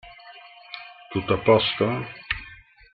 Tutto a posto?